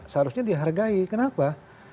seharusnya dihargai kenapa